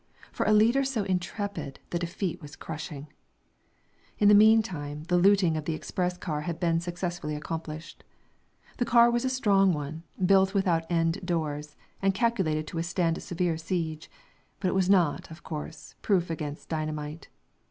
For a leader so intrepid, the defeat was crushing. In the mean time the looting of the express car had been successfully accomplished. The car was a strong one, built without end doors, and calculated to withstand a severe siege, but it was not, of course, proof against dynamite.